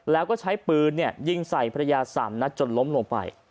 แล้วก็ใช้ปืนยิงใส่ภรรยา๓นัดจนล้มลงไป